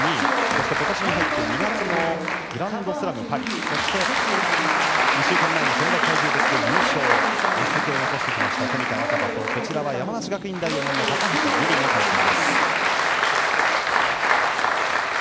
そして今年に入って２月のグランドスラム・パリそして２週間前の選抜体重別で優勝実績を残してきました冨田若春と山梨学院大４年の高橋瑠璃の対戦。